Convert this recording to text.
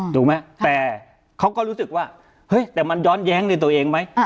ถูกไหมแต่เขาก็รู้สึกว่าเฮ้ยแต่มันย้อนแย้งในตัวเองไหม